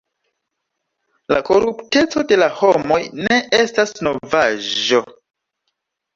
La korupteco de la homoj ne estas novaĵo.